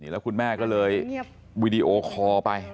แล้วคุณแม่ก็เลยวีดีโอคอลไป